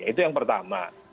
itu yang pertama